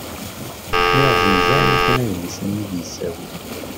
Lliɣ zzenzeɣ yakan adlis-nni mi yi-d-yessawel.